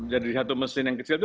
jadi satu mesin yang kecil itu